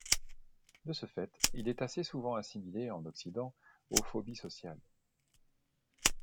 De ce fait, il est assez souvent assimilé en occident aux phobies sociales.